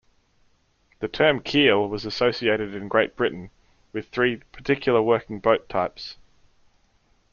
The term keel was associated in Great Britain with three particular working boat types.